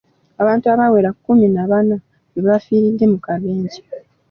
Abantu abawera kumi na bana bwe bafiiridde mu kabenje.